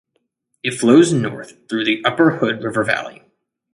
It flows north through the upper Hood River Valley.